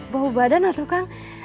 bau badan lah tuh kang